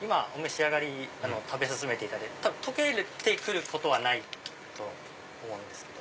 今食べ進めていただいて溶けてくることはないと思うんですけど。